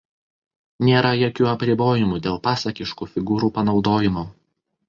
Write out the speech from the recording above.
Nėra jokių apribojimų dėl pasakiškų figūrų panaudojimo.